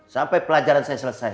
sampai pelajaran saya selesai